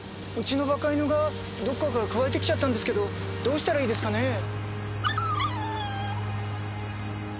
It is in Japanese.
うちのバカ犬がどっかからかくわえてきちゃったんですけどどうしたらいいですかね？